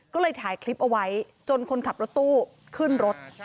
ก็เลยถ่ายคลิปเอาไว้จนคนขับรถตู้ขึ้นรถ